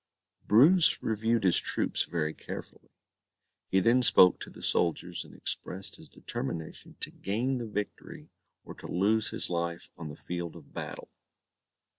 Bruce reviewed his troops very carefully. He then spoke to the soldiers, and expressed his determination to gain the victory, or to lose his life on the field of battle.